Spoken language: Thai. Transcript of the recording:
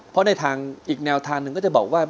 เพราะในทางอีกแนวทางหนึ่งก็จะบอกว่า